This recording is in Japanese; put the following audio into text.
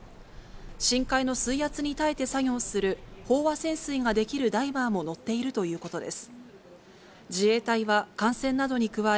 深海の水圧に耐えて作業する飽和潜水ができるダイバーも乗っているということです。